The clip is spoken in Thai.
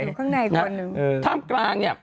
อยู่ข้างในทุกคนท่ามกลางเนี่ย